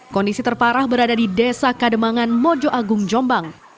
kondisi terparah berada di desa kademangan mojo agung jombang